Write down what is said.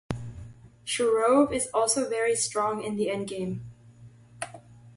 Shirov is also very strong in the endgame.